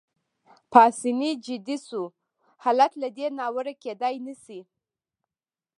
پاسیني جدي شو: حالت له دې ناوړه کېدای نه شي.